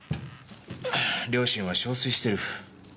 両親は憔悴してる。